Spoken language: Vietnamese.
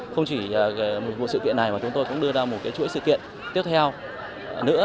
không chỉ một sự kiện này mà chúng tôi cũng đưa ra một chuỗi sự kiện tiếp theo nữa